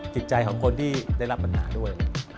จิตใจของคนที่ได้รับปัญหาด้วย